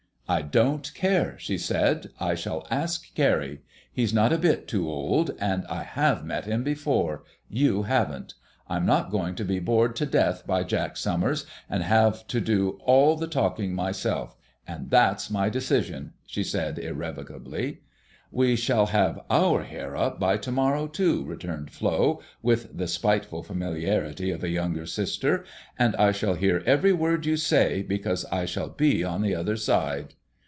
"I don't care," she said, "I shall ask Carrie. He's not a bit too old; and I have met him before you haven't. I'm not going to be bored to death by Jack Somers, and have to do all the talking myself; and that's my decision," she said irrevocably. "We shall have our hair up to morrow, too," returned Flo, with the spiteful familiarity of a younger sister, "and I shall hear every word you say, because I shall be on the other side."